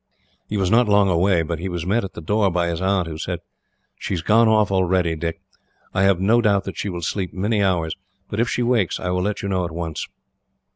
He was not long away, but he was met at the door by his aunt, who said: "She has gone off already, Dick. I have no doubt that she will sleep many hours, but if she wakes, I will let you know at once."